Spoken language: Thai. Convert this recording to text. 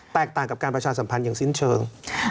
ต่างกับการประชาสัมพันธ์อย่างสิ้นเชิง